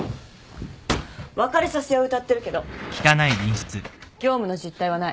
別れさせ屋をうたってるけど業務の実態はない。